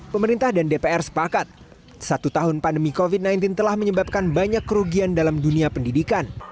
pemerintah dan dpr sepakat satu tahun pandemi covid sembilan belas telah menyebabkan banyak kerugian dalam dunia pendidikan